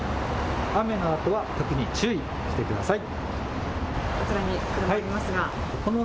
雨のあとは特に注意してください。